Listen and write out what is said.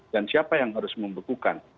dan siapa yang harus membekukan